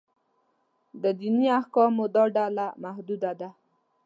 د دیني احکامو دا ډله محدود ده.